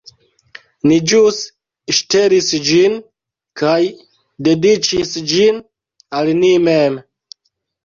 Ni ĵus ŝtelis ĝin kaj dediĉis ĝin al ni mem